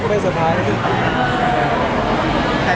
ไม่ได้เจอในคุณหรอก